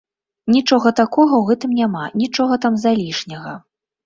Нічога такога ў гэтым няма, нічога там залішняга.